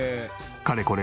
かれこれ